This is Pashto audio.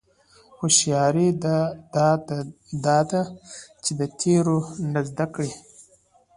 هوښیاري دا ده چې د تېرو نه زده کړې.